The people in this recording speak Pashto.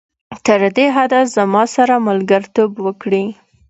تر دې حده زما سره ملګرتوب وکړي.